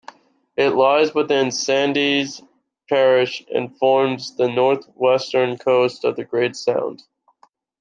It lies within Sandys Parish, and forms the northwestern coast of the Great Sound.